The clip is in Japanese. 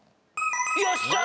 よっしゃー！